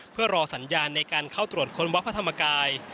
เพื่อรอสัญญาณในการเข้าตรวจค้นวัดพระธรรมกาย